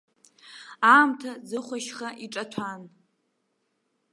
Аамҭа ӡыхәашьха иҿаҭәан.